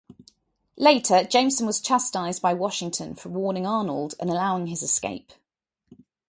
Later, Jameson was chastised by Washington for warning Arnold and allowing his escape.